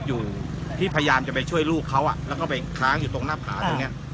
อยู่ที่พยายามจะไปช่วยลูกเขาแล้วก็ไปค้างอยู่ตรงหน้าผาตรงนี้